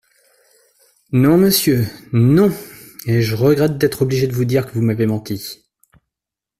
Non, monsieur, non, et je regrette d'être obligé de vous dire que vous m'avez menti.